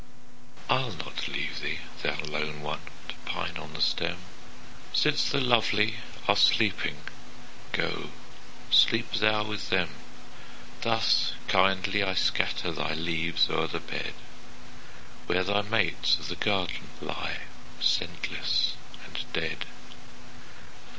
I'll not leave thee, thou lone one! To pine on the stem; Since the lovely are sleeping, Go, sleep thou with them. Thus kindly I scatter Thy leaves o'er the bed Where thy mates of the garden Lie scentless and dead.